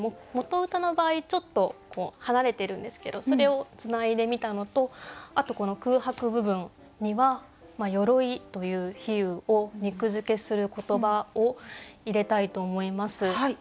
元歌の場合ちょっと離れてるんですけどそれをつないでみたのとあとこの空白部分には「鎧」という比喩を肉づけする言葉を入れたいと思います。